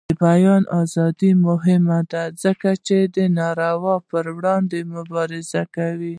د بیان ازادي مهمه ده ځکه چې د ناروا پر وړاندې مبارزه ده.